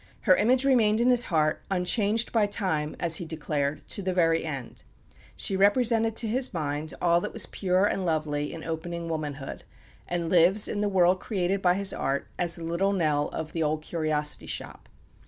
Her image remained in his heart, unchanged by time, as he declared, to the very end. She represented to his mind all that was pure and lovely in opening womanhood, and lives, in the world created by his art, as the Little Nell of "The Old Curiosity Shop."